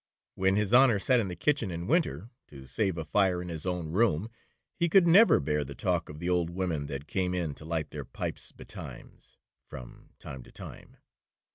When his honor sat in the kitchen in winter, to save a fire in his own room, he could never bear the talk of the old women that came in to light their pipes betimes, (from time to time).